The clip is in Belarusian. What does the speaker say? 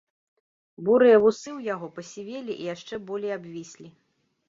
Бурыя вусы ў яго пасівелі і яшчэ болей абвіслі.